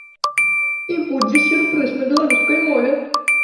І будзе сюрпрыз на беларускай мове.